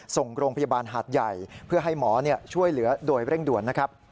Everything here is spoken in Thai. ส่งโรงพยาบาลหาดใหญ่เพื่อให้หมอช่วยเหลือโดยเร่งด่วนนะครับ